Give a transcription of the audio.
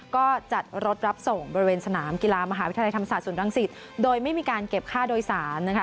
ก็จัดรถรับส่งบริเวณสนามกีฬามหาวิทยาลัยธรรมศาสตร์ศูนย์รังสิตโดยไม่มีการเก็บค่าโดยสารนะคะ